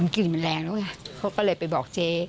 กลิ่นแรงมากะเขาก็เลยไปบอกเจ๊